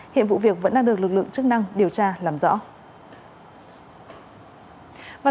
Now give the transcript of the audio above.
hiện vụ việc vẫn đang được lực lượng chức năng điều tra làm rõ